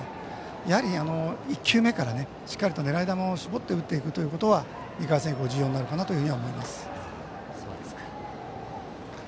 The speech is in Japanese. やはり、１球目からしっかり狙い球を絞って打っていくということが２回戦以降、重要になるかなと思います。